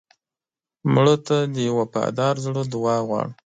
مړه ته د وفادار زړه دعا غواړو